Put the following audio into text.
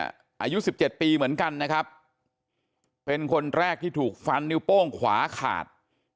อายุ๑๗ปีเหมือนกันนะครับเป็นคนแรกที่ถูกฟันนิ้วโป้งขวาขาด